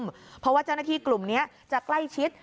เพราะว่าเจ้าหน้าที่กลุ่มนี้จะใกล้ชิด